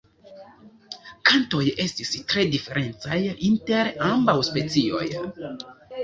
Kantoj estis tre diferencaj inter ambaŭ specioj.